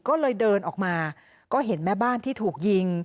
ก็เลยเดินออกมาก็เห็นแม่บ้านที่ถูกยิง